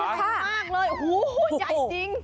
ใหญ่มากเลยหูใหญ่จริง